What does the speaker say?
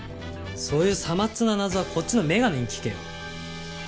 そういう些末な謎はこっちの眼鏡に聞けよ。